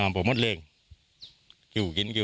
มีคนจมน้ำเสียชีวิต๔ศพแล้วเนี่ย